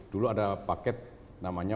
dulu ada paket namanya